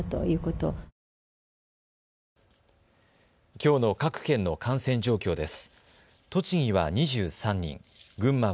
きょうの各県の感染状況です。